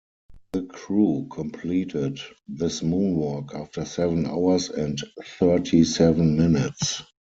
The crew completed this moonwalk after seven hours and thirty-seven minutes.